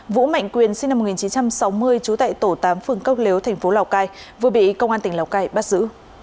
vũ mạnh quyền sinh năm một nghìn chín trăm sáu mươi trú tại tổ tám phường cốc lếu tp lào cai vừa bị công an tỉnh lào cai bắt giữ